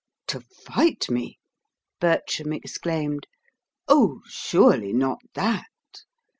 "To fight me!" Bertram exclaimed. "Oh, surely not that!